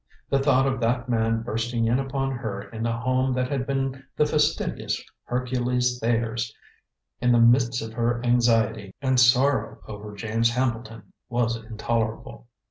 The thought of that man bursting in upon her in the home that had been the fastidious Hercules Thayer's, in the midst of her anxiety and sorrow over James Hambleton, was intolerable.